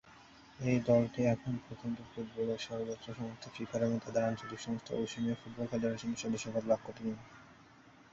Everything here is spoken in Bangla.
এই দলটি এখন পর্যন্ত ফুটবলের সর্বোচ্চ সংস্থা ফিফার এবং তাদের আঞ্চলিক সংস্থা ওশেনিয়া ফুটবল কনফেডারেশনের সদস্যপদ লাভ করেনি।